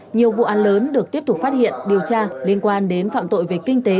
nhiều vụ án lớn được tiếp tục phát hiện điều tra liên quan đến phạm tội về kinh tế